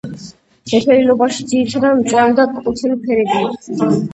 შეფერილობაში ძირითადად მწვანე და ყვითელი ფერებია შეხამებული.